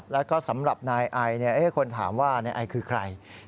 แล้วก็สำหรับนายอายเนี่ยคนถามว่านายอายคือใคร